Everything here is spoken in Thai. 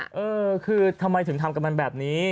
เออคือทำไมถึงทำกับมันแบบนี้